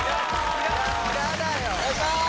お願いします！